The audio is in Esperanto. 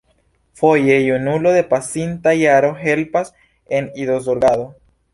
Foje junulo de pasinta jaro helpas en idozorgado.